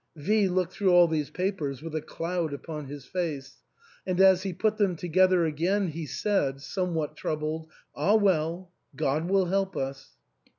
V looked through all these papers with a cloud upon his face ; and as he put them together again, he said, somewhat troubled, " Ah well ! God will help us!"